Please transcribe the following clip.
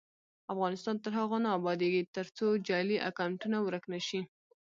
افغانستان تر هغو نه ابادیږي، ترڅو جعلي اکونټونه ورک نشي.